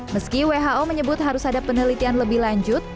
meski who menyebut harus ada penelitian lebih lanjut